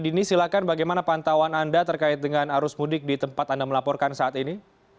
dini silahkan bagaimana pantauan anda terkait dengan arus mudik di tempat anda melaporkan saat ini